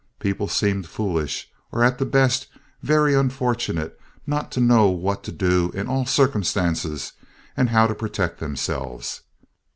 People seemed foolish, or at the best very unfortunate not to know what to do in all circumstances and how to protect themselves.